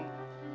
nah di situ